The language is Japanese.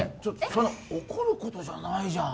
そんな怒ることじゃないじゃん